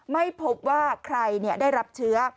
ไม่พบว่าใครได้รับเชื้อ